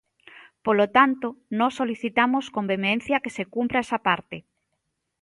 Polo tanto, nós solicitamos con vehemencia que se cumpra esa parte.